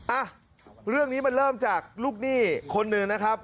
อ่ะเรื่องนี้มันเริ่มจากลูกหนี้คนหนึ่งนะครับ